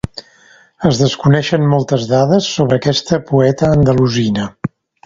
Es desconeixen moltes dades sobre aquesta poeta andalusina.